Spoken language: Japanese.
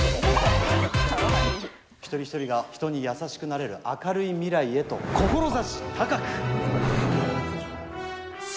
一人一人が人に優しくなれる明るい未来をと志高く。